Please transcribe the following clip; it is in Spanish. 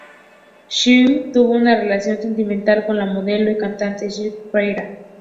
Smith tuvo una relación sentimental con la modelo y cantante Sky Ferreira.